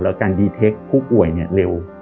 แล้วการดีเทคผู้ป่วยเร็ว